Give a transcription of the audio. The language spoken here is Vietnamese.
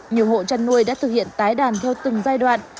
nhiều hộ chăn nuôi đã thực hiện tái đàn theo từng giai đoạn